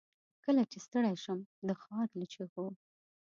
کله چې ستړی شم، دښارله چیغو